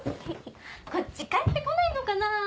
こっち帰ってこないのかな？